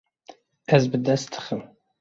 Ez bi dest dixim.